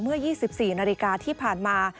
เมื่อ๒๔นาฬิกาที่ผ่านมา